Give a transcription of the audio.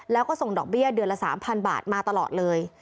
แล้วก็ส่งดอกเบี้ยเดือนละ๓๐๐๐บาทมาตลอดเลย